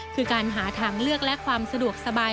คือการหาทางเลือกและความสะดวกสบาย